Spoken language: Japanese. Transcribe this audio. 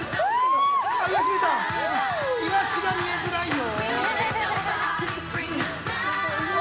イワシが見えづらいよ。